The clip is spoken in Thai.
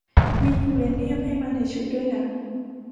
มียูเรเนียมให้มาในชุดด้วยนะ